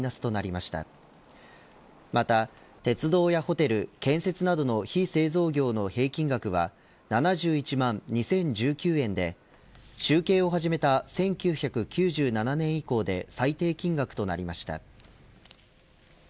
また、鉄道やホテル建設などの非製造業の平均額は７１万２０１９円で集計を始めた１９９７年以降で最低金額となりました。